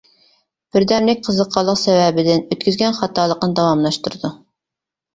بىردەملىك قىزىققانلىق سەۋەبىدىن ئۆتكۈزگەن خاتالىقىنى داۋاملاشتۇرىدۇ.